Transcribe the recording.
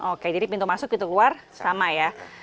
oke jadi pintu masuk pintu keluar sama ya